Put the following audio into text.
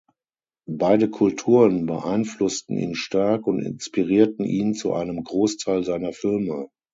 Beide Kulturen beeinflussten ihn stark und inspirierten ihn zu einem Großteil seiner Filme.